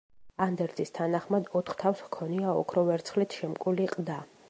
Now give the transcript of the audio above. ანდერძის თანახმად, ოთხთავს ჰქონია ოქრო-ვერცხლით შემკული ყდა.